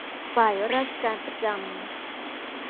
ฝ่ายราชการประจำ